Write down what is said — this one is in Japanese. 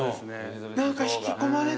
何か引き込まれる。